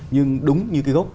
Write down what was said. nhưng đúng như cái gốc